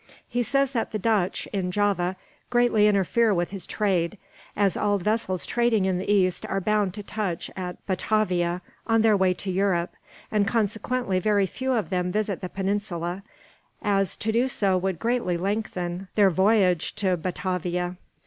He says that the Dutch, in Java, greatly interfere with his trade; as all vessels trading in the East are bound to touch at Batavia, on their way to Europe, and consequently very few of them visit the Peninsula, as to do so would greatly lengthen their voyage to Batavia.